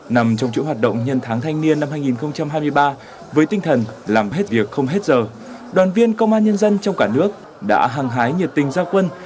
nằm trong chủ hoạt động nhân tháng thanh niên năm hai nghìn hai mươi ba với tinh thần làm hết việc không hết giờ đoàn viên công an nhân dân trong cả nước đã hăng hái nhiệt tình giao quân